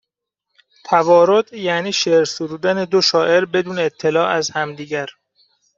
توارد یعنی شعر سرودن دو شاعر بدون اطلاع از همدیگر